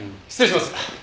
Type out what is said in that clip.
失礼します。